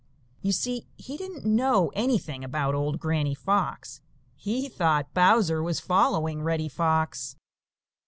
You see, he didn't know anything about old Granny Fox; he thought Bowser was following Reddy Fox.